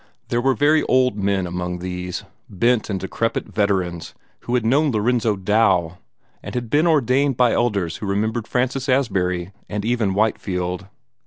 There were very old men among these bent and decrepit veterans who had known Lorenzo Dow, and had been ordained by elders who remembered Francis Asbury and even Whitefield.